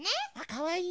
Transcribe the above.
かわいい。